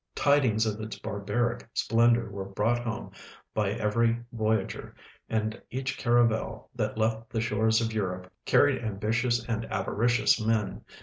Tidings of its barbaric splen dor were brought home by every voyageur, and each caravel that left the shores of Europe carried ambitious and avaricious men